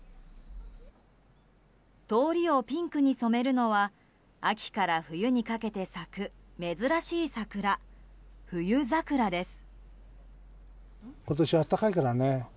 通りをピンクに染めるのは秋から冬にかけて咲く珍しい桜、冬桜です。